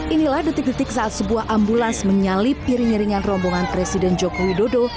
inilah detik detik saat sebuah ambulans menyalip iring iringan rombongan presiden joko widodo